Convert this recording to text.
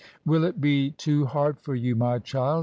" Will it be too hard for you, my child